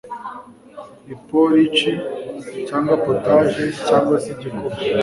iporici cyangwa potaje cyangwa se igikoma